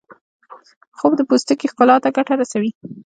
خوب د پوستکي ښکلا ته ګټه رسوي